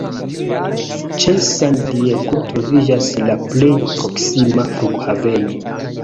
Ĉe San Diego troviĝas la plej proksima flughaveno.